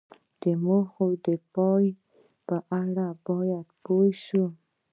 د موخې د پای په اړه باید پوه شو.